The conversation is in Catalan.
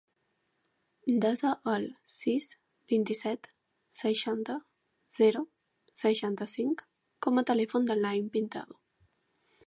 Desa el sis, vint-i-set, seixanta, zero, seixanta-cinc com a telèfon del Naïm Pintado.